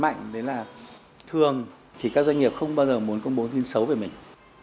đấy là thường thì các doanh nghiệp không bao giờ muốn công bố thông tin xấu về mình